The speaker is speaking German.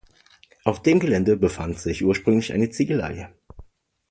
Auf dem Gelände befand sich ursprünglich eine Ziegelei.